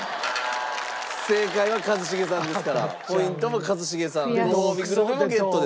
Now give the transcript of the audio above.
正解は一茂さんですからポイントも一茂さんごほうびグルメもゲットです。